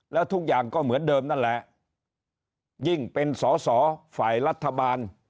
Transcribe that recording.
แล้วทุกอย่างก็เหมือนเดิมนั่นแหละยิ่งเป็นสอสอฝ่ายรัฐบาล